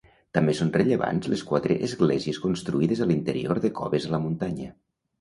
També són rellevants les quatre esglésies construïdes a l'interior de coves a la muntanya.